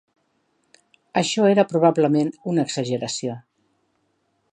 Això era probablement una exageració.